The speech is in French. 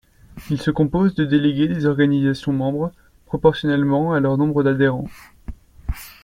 Il se compose de délégués des organisations membres, proportionnellement à leur nombre d'adhérents.